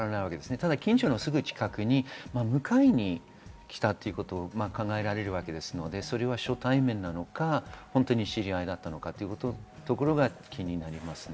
ただ、近所に迎えに来たということが考えられるので、初対面なのか本当に知り合いだったのかというところが気になりますね。